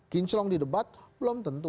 kinclong di debat belum tentu